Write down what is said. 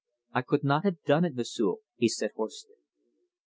"I could not have done it, M'sieu'," he said hoarsely.